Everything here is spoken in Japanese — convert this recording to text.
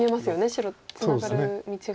白ツナがる道が。